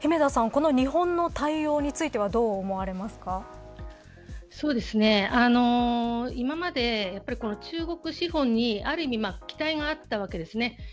この日本の対応については今まで中国資本にある意味期待があったわけです。